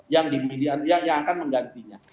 yang akan menggantinya